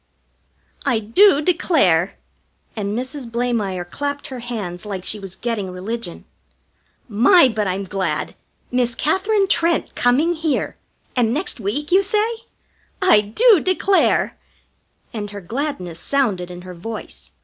"I do declare!" And Mrs. Blamire clapped her hands like she was getting religion. "My, but I'm glad! Miss Katherine Trent coming here! And next week, you say? I do declare!" And her gladness sounded in her voice.